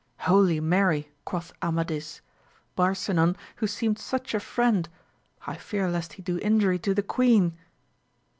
Holy Mary! quoth Amadis: Barsinan who seemed such a friend ! I fear lest he do injury to the queen.